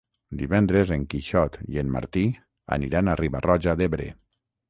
Divendres en Quixot i en Martí aniran a Riba-roja d'Ebre.